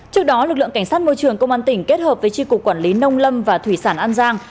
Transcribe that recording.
trước đó lực lượng cảnh sát môi trường công an tỉnh kết hợp với tri cục quản lý nông lâm và thủy sản an giang